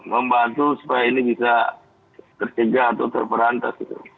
membantu supaya ini bisa tercegah atau terperantas